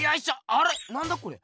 あれなんだこれ？